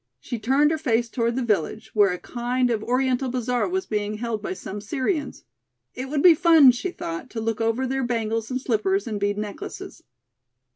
She turned her face toward the village, where a kind of Oriental bazaar was being held by some Syrians. It would be fun, she thought, to look over their bangles and slippers and bead necklaces.